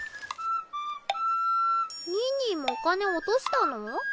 にーにーもお金落としたの？